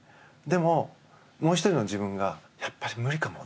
でも、もう１人の自分がやっぱり無理かも